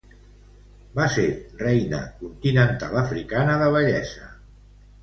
Va ser Reina Continental Africana de Bellesa.